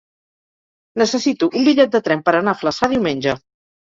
Necessito un bitllet de tren per anar a Flaçà diumenge.